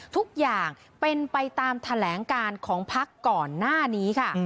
ทุกอย่างเป็นไปตามแถลงการของพักก่อนหน้านี้ค่ะ